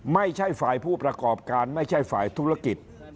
ไม่ใช่ฝ่ายผู้ประกอบการไม่ใช่ฝ่ายธุรกิจ